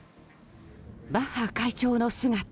バッハ会長の姿